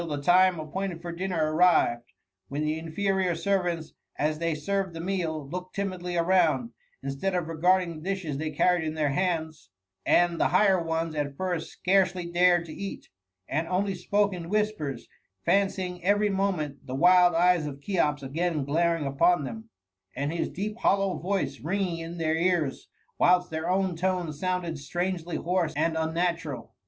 the time appointed for dinner arrived, when the inferior servants, as they served the meal, looked timidly around, instead of regarding the dishes they carried in their hands, and the higher ones at first scarcely dared to eat, and only spoke in whispers, fancying every moment the wild eyes of Cheops again glaring upon them, and his deep hollow voice ringing in their ears, whilst their own tones sounded strangely hoarse and unnatural.